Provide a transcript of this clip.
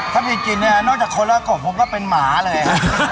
ถ้าเป็นจริงเนี่ยนอกจากคนละก่อนผมก็เป็นหมาเลย